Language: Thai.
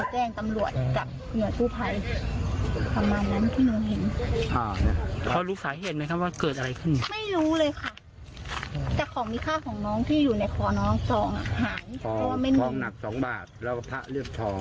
หาเพราะว่าไม่มีคองหนัก๒บาทแล้วก็พระเรียบทอง